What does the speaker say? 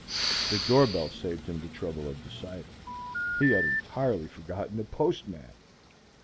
The door bell saved him the trouble of deciding. He had entirely forgotten the postman!